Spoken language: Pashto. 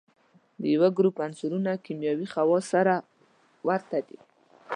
د یوه ګروپ عنصرونه کیمیاوي خواص سره ورته دي.